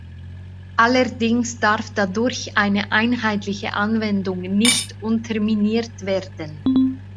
Allerdings darf dadurch eine einheitliche Anwendung nicht unterminiert werden.